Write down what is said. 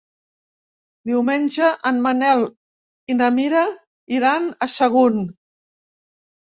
Diumenge en Manel i na Mira iran a Sagunt.